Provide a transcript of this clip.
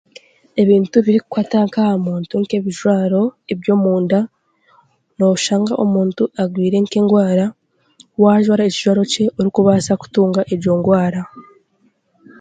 Ebintu ebirikukwata nk'ahamuntu nk'ebijwaro eby'omunda, n'oshanga omuntu agwire nk'endwaara, wajwara ekijwaro kye orikubaasa kutunga egyo ndwaara.